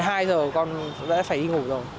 bây giờ một mươi hai giờ con đã phải đi ngủ rồi